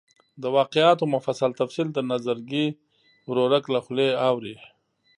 د واقعاتو مفصل تفصیل د نظرګي ورورک له خولې اوري.